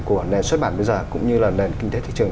của nền xuất bản bây giờ cũng như là nền kinh tế thị trường